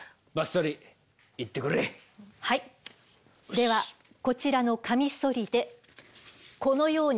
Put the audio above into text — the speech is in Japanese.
ではこちらのカミソリでこのように。